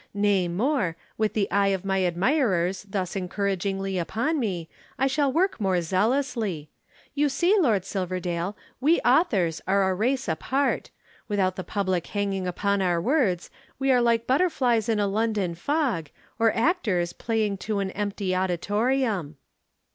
Nay more, with the eye of my admirers thus encouragingly upon me, I shall work more zealously. You see, Lord Silverdale, we authors are a race apart without the public hanging upon our words, we are like butterflies in a London fog, or actors playing to an empty auditorium."